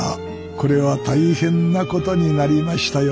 これは大変なことになりましたよ。